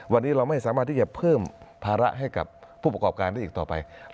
วันนี้เราไม่สามารถที่จะเพิ่มภาระให้กับผู้ประกอบการได้อีกต่อไป